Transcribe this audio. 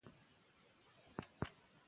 آیا د اصفهان دربار به د پوځ ملاتړ وکړي؟